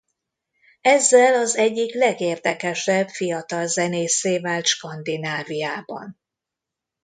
Ezzel az egyik legérdekesebb fiatal zenésszé vált Skandináviában.